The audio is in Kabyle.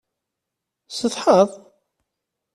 Tessetḥaḍ?